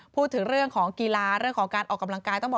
พูดถึงเรื่องของกีฬาเรื่องของการออกกำลังกายต้องบอก